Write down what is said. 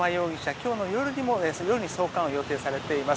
今日の夜に送還を予定されています。